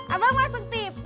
abang masuk tv